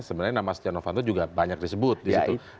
sebenarnya nama stiano vanto juga banyak disebut disitu